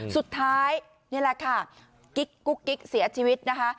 สุดท้ายเนี่ยแหละค่ะกิ๊กกุ๊กกิ๊กเสียชีวิตนะคะ